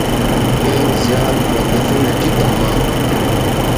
پین زیات ودفنگ اٹی تما